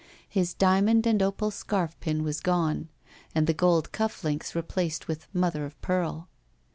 His diamond and opal scarfpin was gone, and the gold ctifiE links replaced with mother of pearl.